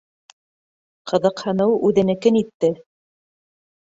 Ҡыҙыҡһыныу үҙенекен итте.